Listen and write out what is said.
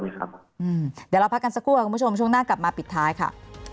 เดี๋ยวเราพักกันสักครู่คุณผู้ชมช่วงหน้ากลับมาปิดท้ายค่ะ